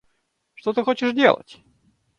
Что ты хочешь делать?